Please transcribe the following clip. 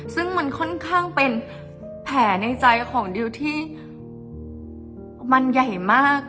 ซึ่งมันค่อนข้างเป็นแผลในใจของดิวที่มันใหญ่มาก